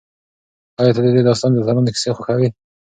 ایا ته د دې داستان د اتلانو کیسې خوښوې؟